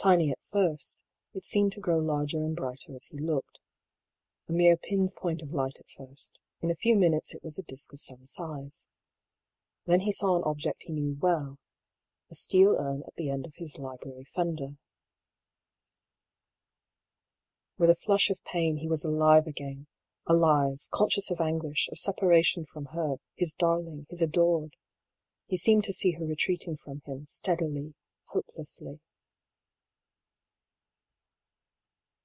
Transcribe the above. Tiny at first, it seemed to grow larger and brighter as he looked. A mere pin's point of light at first, in a few minutes it was a disc of some size. Then he saw an object he knew well — a steel urn at the end of his library fender. With a flush of pain, he was alive again ; alive, con scious of anguish, of separation from her, his darling, his adored. He seemed to see her retreating from him, steadily, hopelessly.